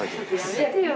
やめてよ。